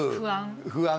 不安。